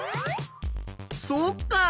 そっか！